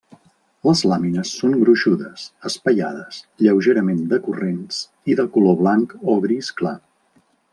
Les làmines són gruixudes, espaiades, lleugerament decurrents i de color blanc o gris clar.